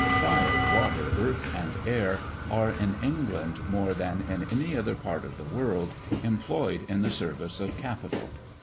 Fire, water, earth, and air, are in England more than in any other part of the world, employed in the service of capital.